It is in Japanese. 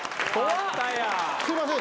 すいません。